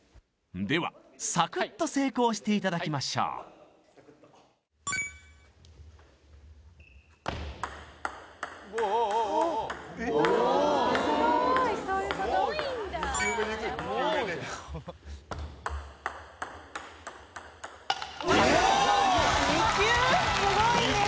ではサクッと成功していただきましょう２球！？